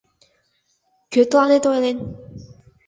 — Кӧ тыланет ойлен?